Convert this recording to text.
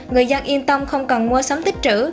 người dân yên tâm không cần mua sắm tích trữ